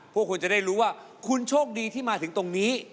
พวกคุณจะได้รู้ว่าคุณโชคดีที่มาถึงตรงนี้